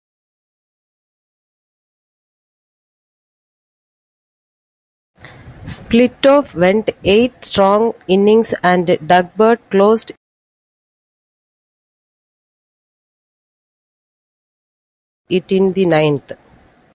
Splittorff went eight strong innings and Doug Bird closed it in the ninth.